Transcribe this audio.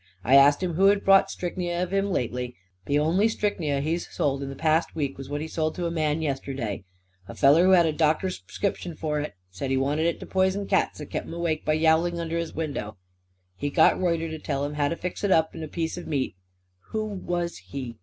I asked him who had bought strychnia of him lately. The only strychnia he's sold in the past week was what he sold to a man yesterday; a feller who had a doctor's p'scription for it, and said he wanted it to poison cats that kep' him awake by yowling under his window. He got Reuter to tell him how to fix it up in a piece of meat " "Who was he?"